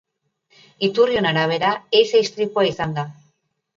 Iturrion arabera, ehiza istripua izan da.